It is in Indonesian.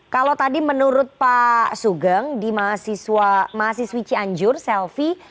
kalau tadi menurut pak sugeng di mahasiswi cianjur selfie